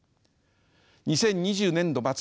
２０２２年度末